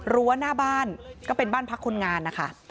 รั้วหน้าบ้านก็เป็นบ้านพักคนงานนะคะ